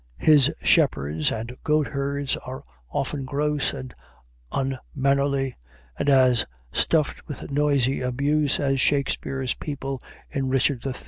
His shepherds and goat herds are often gross and unmannerly, and as stuffed with noisy abuse as Shakespeare's people in "Richard III."